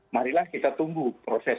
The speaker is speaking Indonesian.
marilah kita tunggu proses